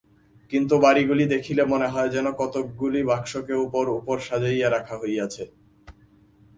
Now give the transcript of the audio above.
কিন্তু বাড়ীগুলি দেখিলে মনে হয় যেন কতকগুলি বাক্সকে উপর উপর সাজাইয়া রাখা হইয়াছে।